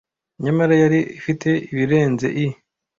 Nyamara yari ifite ibirenze I.